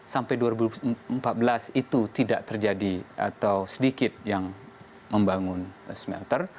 sampai dua ribu empat belas itu tidak terjadi atau sedikit yang membangun smelter